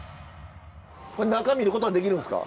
中見ることはできるんですか？